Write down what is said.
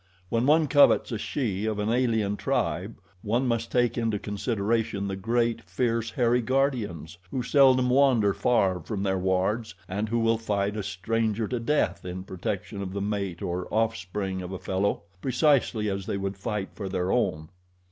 When one covets a she of an alien tribe one must take into consideration the great, fierce, hairy guardians who seldom wander far from their wards and who will fight a stranger to the death in protection of the mate or offspring of a fellow, precisely as they would fight for their own.